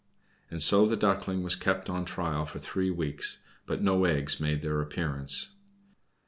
And so the Duckling was kept on trial for three weeks, but no eggs made their appearance.